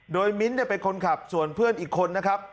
โดยมิ้นท์เป็นคนขับส่วนเพื่อนอีกคนนะครับ